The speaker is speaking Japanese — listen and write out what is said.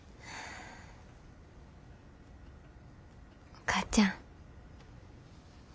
お母ちゃん。